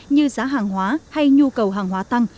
như giá hàng hóa hay nhu cầu hàng hóa tăng